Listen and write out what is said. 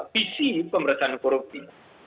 visi pemberantasan korupsi